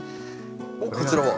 おっこちらは？